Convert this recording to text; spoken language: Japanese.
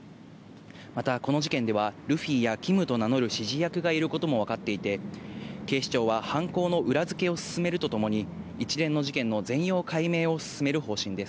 またこの事件ではルフィやキムと名乗る指示役がいることも分かっていて、警視庁は犯行の裏付けを進めるとともに、一連の事件の全容解明を進める方針です。